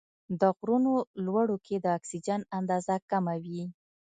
د غرونو لوړو کې د اکسیجن اندازه کمه وي.